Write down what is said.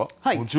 はい。